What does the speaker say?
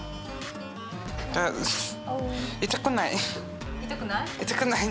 痛くない。